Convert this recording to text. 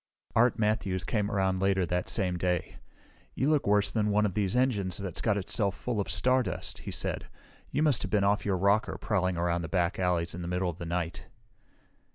Art Matthews came around later that same day. "You look worse than one of these engines that's got itself full of stardust," he said. "You must have been off your rocker, prowling around back alleys in the middle of the night!"